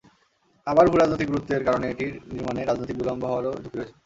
আবার ভূরাজনৈতিক গুরুত্বের কারণে এটির নির্মাণে রাজনৈতিক বিলম্ব হওয়ারও ঝুঁকি রয়েছে।